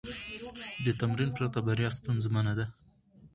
د تمرین پرته، بریا ستونزمنه ده.